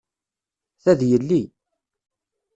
Ta d yelli.